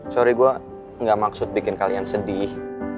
sorry gue gak maksud bikin kalian sedih